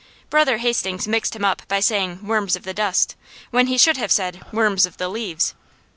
Brother Hastings mixed him up by saying "worms of the dust" when he should have said worms of the leaves.